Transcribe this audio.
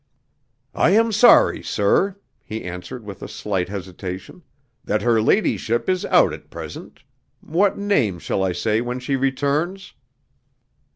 "I am sorry, sir," he answered with a slight hesitation, "that her ladyship is out at present. What name shall I say when she returns?"